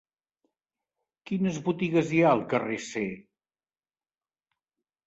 Quines botigues hi ha al carrer C?